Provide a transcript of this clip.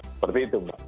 seperti itu mbak